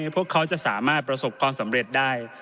พวกเขาจะสามารถประสบความสำเร็จได้